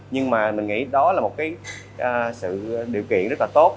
nhưng mà mình nghĩ đó là một cái sự điều kiện rất là tốt